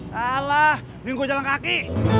salah minggu jalan kaki